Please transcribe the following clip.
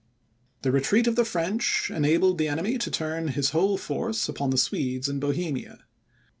The retreat of the French, enabled the enemy to turn his whole force upon the Swedes in Bohemia.